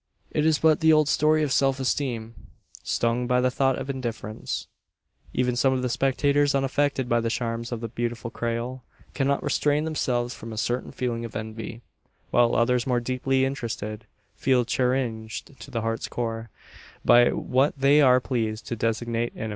It is but the old story of self esteem, stung by the thought of indifference. Even some of the spectators unaffected by the charms of the beautiful Creole, cannot restrain themselves from a certain feeling of envy; while others more deeply interested feel chagrined to the heart's core, by what they are pleased to designate an impudent avowal!